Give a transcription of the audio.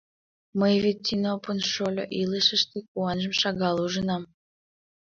Мый вет, Синопон шольо, илышыште куанжым шагал ужынам.